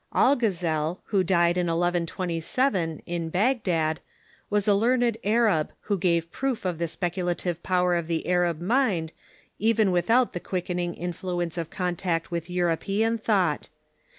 Algazel, who died in 1127, in Bagdad, was a learned Arab, Avho gave proof of the speculative power of the Arab mind even without the quickening influence of contact with Euro pean thought.